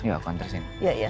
yuk aku anterin